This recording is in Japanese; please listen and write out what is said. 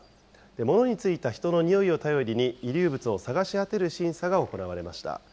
物についた人のにおいを頼りに、遺留物を探し当てる審査が行われました。